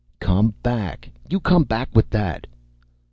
"Come back! You come back with that!"